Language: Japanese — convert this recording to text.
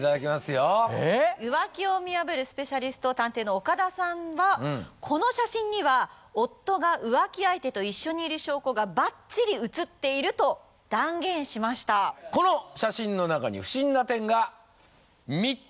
よええ浮気を見破るスペシャリスト探偵の岡田さんはこの写真には夫が浮気相手と一緒にいる証拠がバッチリ写っていると断言しましたこの写真の中に・３つも？